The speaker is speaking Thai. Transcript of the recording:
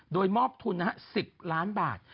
โดยมอบทุน๑๐ล้านบาท